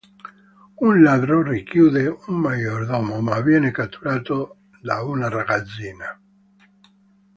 Un ladro richiude un maggiordomo ma viene catturato da una ragazzina.